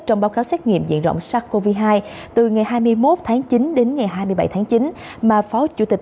trong báo cáo xét nghiệm diện rộng sars cov hai từ ngày hai mươi một tháng chín đến ngày hai mươi bảy tháng chín mà phó chủ tịch